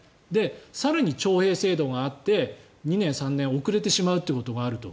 更に徴兵制度があって２年、３年遅れてしまうということがあると。